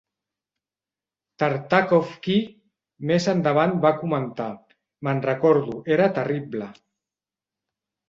Tartakovsky més endavant va comentar: Me'n recordo, era terrible.